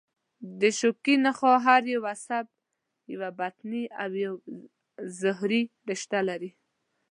د شوکي نخاع هر یو عصب یوه بطني او یوه ظهري رشته لري.